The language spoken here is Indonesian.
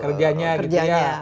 kerjanya gitu ya